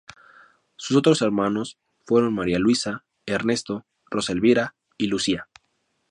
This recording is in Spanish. Sus otros hermanos fueron María Luisa, Ernesto, Rosa Elvira y Lucía.